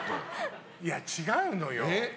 いや、違うのよ。